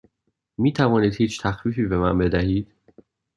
می توانید هیچ تخفیفی به من بدهید؟